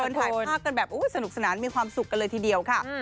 ถ่ายภาพกันแบบสนุกสนานมีความสุขกันเลยทีเดียวค่ะ